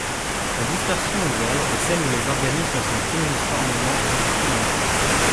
La dispersion égale est celle où les organismes sont uniformément répartis dans l’espace.